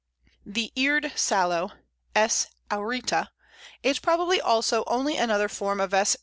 The Eared Sallow (S. aurita) is probably also only another form of _S.